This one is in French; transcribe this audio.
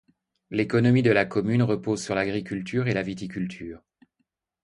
L'économie de la commune repose sur l'agriculture et la viticulture.